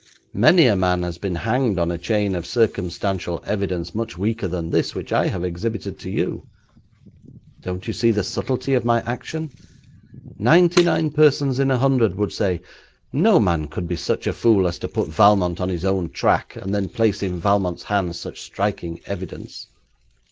Many a man has been hanged on a chain of circumstantial evidence much weaker than this which I have exhibited to you. Don't you see the subtlety of my action? Ninety nine persons in a hundred would say: "No man could be such a fool as to put Valmont on his own track, and then place in Valmont's hands such striking evidence."